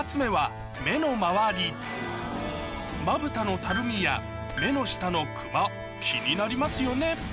まぶたのたるみや目の下のクマ気になりますよね